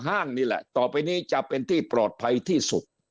ห้างนี่แหละต่อไปนี้จะเป็นที่ปลอดภัยที่สุด